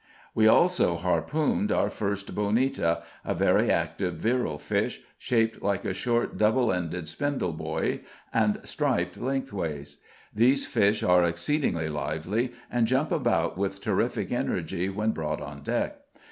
We also harpooned our first bonita, a very active, virile fish, shaped like a short double ended spindle buoy, and striped lengthwise. These fish are exceedingly lively and jump about with terrific energy when brought on deck.